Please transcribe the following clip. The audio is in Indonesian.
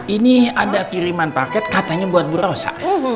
ini ada kiriman paket katanya buat bu rosa